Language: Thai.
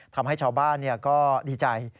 ทำให้ชาวบ้านก็ดีใจ